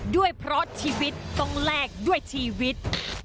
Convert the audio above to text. ด้วยเพราะชีวิตต้องแลกด้วยชีวิต